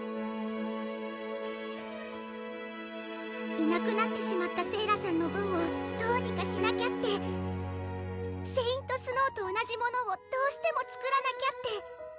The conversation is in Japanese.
いなくなってしまった聖良さんの分をどうにかしなきゃってＳａｉｎｔＳｎｏｗと同じものをどうしてもつくらなきゃって。